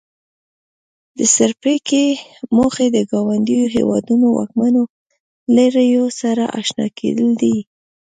د څپرکي موخې د ګاونډیو هېوادونو واکمنو لړیو سره آشنا کېدل دي.